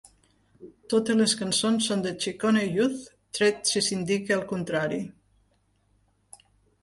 Totes les cançons són de Ciccone Youth, tret si s'indica el contrari.